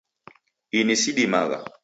Ini sidimagha.